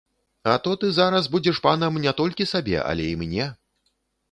А то ты зараз будзеш панам не толькі сабе, але і мне.